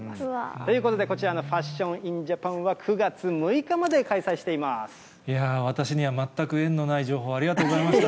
ということで、こちらのファッション・イン・ジャパンは、９月６私には全く縁のない情報をありがとうございました。